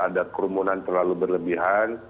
ada kerumunan terlalu berlebihan